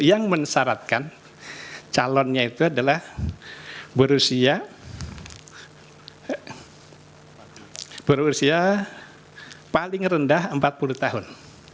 yang mensyaratkan calonnya itu adalah berusia paling rendah empat puluh tahun